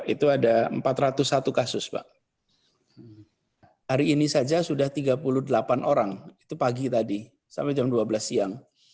itu ada empat ratus satu kasus pak hari ini saja sudah tiga puluh delapan orang itu pagi tadi sampai jam dua belas siang